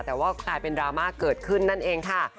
แต่ว่ากลายเป็นดราม่าเกิดขึ้นนั่นเองค่ะ